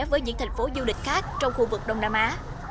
với những thành phố du lịch khác trong khu vực đông nam á